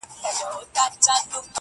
ما په تمه د درملو ورته عُمر دی خوړلی!!